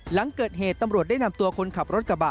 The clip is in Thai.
หลังเกิดเหตุตำรวจได้นำตัวคนขับรถกระบะ